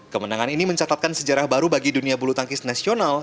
kemenangan ini mencatatkan sejarah baru bagi dunia bulu tangkis nasional